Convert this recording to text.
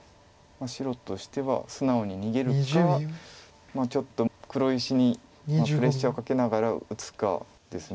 白としては素直に逃げるかちょっと黒石にプレッシャーをかけながら打つかです。